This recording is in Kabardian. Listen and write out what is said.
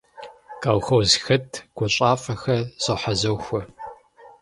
Колхозхэт гуащӀафӀэхэр зохьэзохуэ.